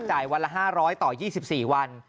จ่ายวันละ๕๐๐ต่อ๒๔วัน